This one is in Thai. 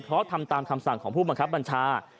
เพราะทำตามคำสั่งของผู้บังคับบัญชา